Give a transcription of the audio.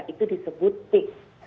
itu disebut tic